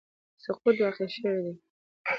سقوط واقع شوی دی